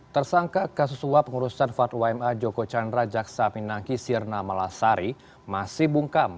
tersangka kasus suap pengurusan fatwa ma joko chandra jaksa pinangki sirna malasari masih bungkam